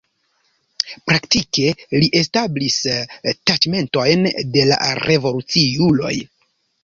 Praktike li establis taĉmentojn de la revoluciuloj.